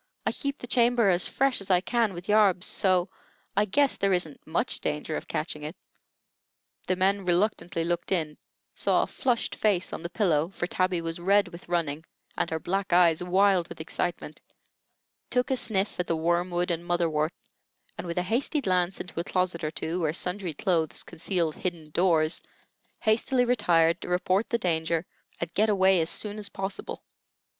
I keep the chamber as fresh as I can with yarbs, so I guess there isn't much danger of catching it." The men reluctantly looked in, saw a flushed face on the pillow (for Tabby was red with running, and her black eyes wild with excitement), took a sniff at the wormwood and motherwort, and with a hasty glance into a closet or two where sundry clothes concealed hidden doors, hastily retired to report the danger and get away as soon as possible.